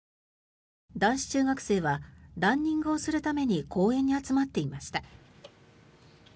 男子中学生はランニングをするために公園に集まっていました。